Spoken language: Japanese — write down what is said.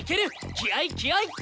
気合い気合い！